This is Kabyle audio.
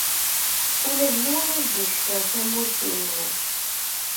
Ula d yiwen ur d-yeckiṛ tamurt-inu.